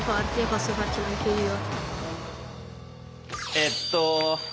えっと